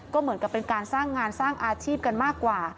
ก็เหมือนกับเป็นการสร้างงานสร้างอาชีพกันมากกว่า